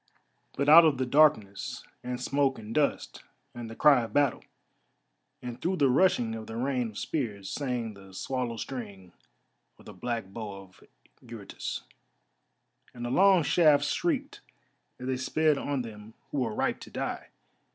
But out of the darkness and smoke and dust, and the cry of battle, and through the rushing of the rain of spears, sang the swallow string of the black bow of Eurytus, and the long shafts shrieked as they sped on them who were ripe to die.